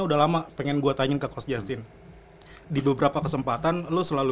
udah lama pengen gua tanyain ke kostya scene di beberapa kesempatan lu selalu